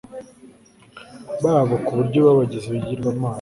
babo ku buryo babagize ibigirwamana